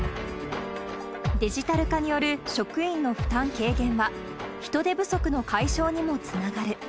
デジタル化による職員の負担軽減は、人手不足の解消にもつながる。